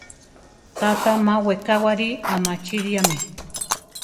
Tata má wekáwari amachiliame.